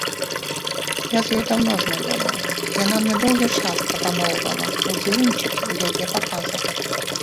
Я з ёй даўно знаёмая, яна мне доўгі час прапаноўвала ўдзельнічаць у яе паказах.